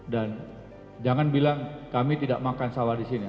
dan jangan bilang kami tidak makan sawah di sini